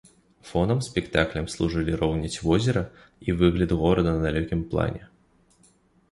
Фонам спектаклям служылі роўнядзь возера і выгляд горада на далёкім плане.